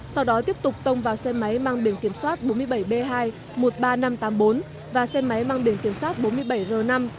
sau đó tiếp tục tông vào xe máy mang biển kiểm soát bốn mươi bảy b hai một mươi ba nghìn năm trăm tám mươi bốn và xe máy mang biển kiểm soát bốn mươi bảy r năm chín nghìn một trăm sáu mươi chín